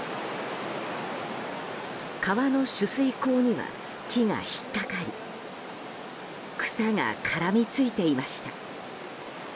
川の取水口には木が引っかかり草が絡みついていました。